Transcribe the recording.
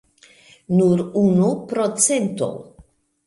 Nur unu procento!